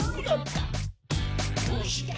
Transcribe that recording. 「どうして？